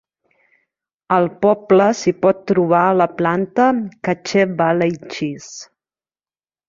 Al poble s'hi pot trobar la planta Cache Valley Cheese.